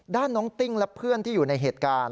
ด้านน้องติ้งและเพื่อนที่อยู่ในเหตุการณ์